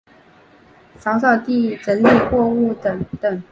扫扫地、整理货物等等